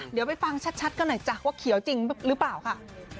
เดี๋ยวไปฟังชัดกันหน่อยจ้ะว่าเขียวจริงหรือเปล่าค่ะ